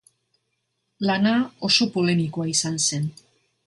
Lana oso polemikoa izan zen.